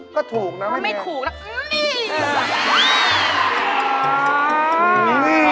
ก็ถูกน้องไม่เป็นว่าไม่ถูกแหละเอาเนี๊ย